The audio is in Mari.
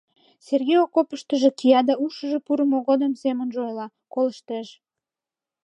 Сергей окопыштыжо кия да ушыжо пурымо годым семынже ойла, колыштеш.